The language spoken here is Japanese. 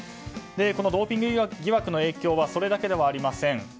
このドーピング疑惑の影響はそれだけではありません。